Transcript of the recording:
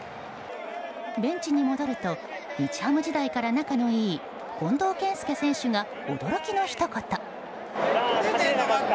ベンチに戻ると日ハム時代から仲のいい近藤健介選手が驚きのひと言。